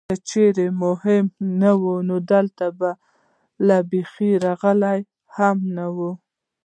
که چېرې مهم نه وای نو دلته به له بېخه راغلی هم نه وې.